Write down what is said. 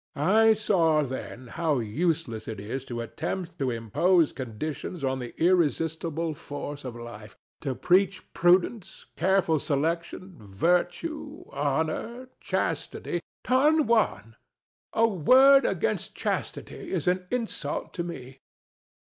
I saw then how useless it is to attempt to impose conditions on the irresistible force of Life; to preach prudence, careful selection, virtue, honor, chastity ANA. Don Juan: a word against chastity is an insult to me.